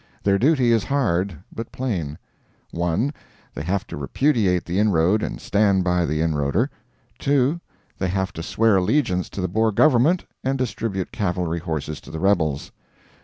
Their duty is hard, but plain: 1. They have to repudiate the inroad, and stand by the inroader. 2. They have to swear allegiance to the Boer government, and distribute cavalry horses to the rebels.